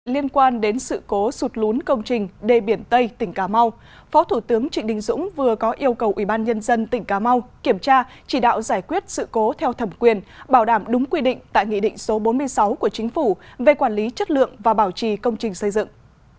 liên quan đến sự cố sụt lún công trình đê biển tây tỉnh cà mau phó thủ tướng trịnh đình dũng vừa có yêu cầu ubnd tỉnh cà mau kiểm tra chỉ đạo giải quyết sự cố theo thẩm quyền bảo đảm đúng quy định tại nghị định số bốn mươi sáu của chính phủ về quản lý chất lượng và bảo trì công trình xây dựng